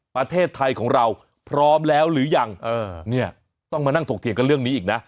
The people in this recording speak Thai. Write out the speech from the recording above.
ประเทศไทยของเราพร้อมแล้วหรือยังเนี่ยต้องมานั่งถกเถียงกันเรื่องนี้อีกนะ